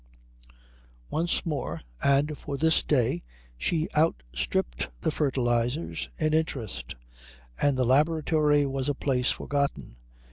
Once more and for this day she outstripped the fertilizers in interest, and the laboratory was a place forgotten.